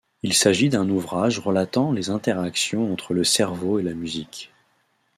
Il s’agit d’un ouvrage relatant les interactions entre le cerveau et la musique.